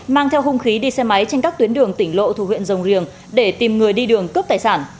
mang theo hung khí đi xe máy trên các tuyến đường tỉnh lộ thuộc huyện rồng riềng để tìm người đi đường cướp tài sản